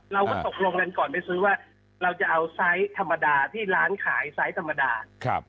เราก็ตกลงกันก่อนไปซื้อว่าเราจะเอาไซส์ธรรมดาที่ร้านขายไซส์ธรรมดา